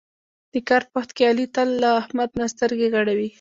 د کار په وخت کې علي تل له احمد نه سترګې غړوي.